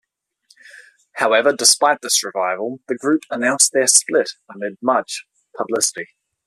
However, despite this revival, the group announced their split amid much publicity.